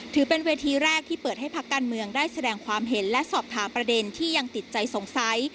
ถือเป็นเวทีแรกที่เปิดให้พักการเมืองได้แสดงความเห็นและสอบถามประเด็นที่ยังติดใจสงสัย